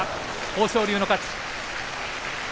豊昇龍の勝ち。